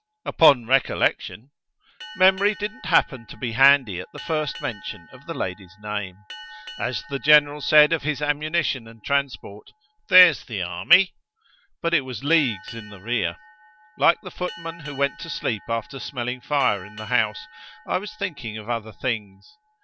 "Upon recollection!" "Memory didn't happen to be handy at the first mention of the lady's name. As the general said of his ammunition and transport, there's the army! but it was leagues in the rear. Like the footman who went to sleep after smelling fire in the house, I was thinking of other things.